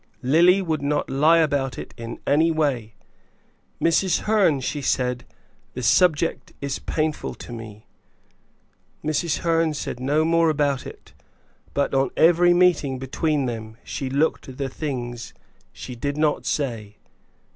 Lily would not lie about it in any way. "Mrs. Hearn," she said, "the subject is painful to me." Mrs. Hearn said no more about it, but on every meeting between them she looked the things she did not say.